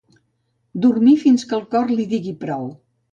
Dormir fins que el cor li digui prou.